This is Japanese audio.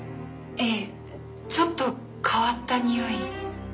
ええちょっと変わったにおい。